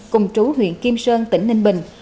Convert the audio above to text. cùng trú huyện kim sơn tỉnh ninh bình